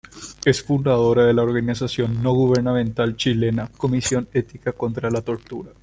Es fundadora de la organización no gubernamental chilena Comisión Ética Contra la Tortura.